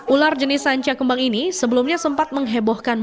ular jenis sanca kembang ini sebelumnya sempat menghebohkan